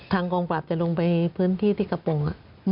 กองปราบจะลงไปพื้นที่ที่กระโปรง